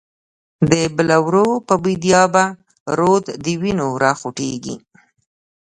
دبلورو په بیدیا به، رود دوینو راخوټیږی